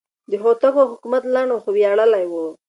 د هوتکو حکومت لنډ خو ویاړلی و.